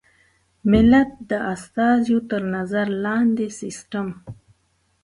ملت د استازیو تر نظر لاندې سیسټم.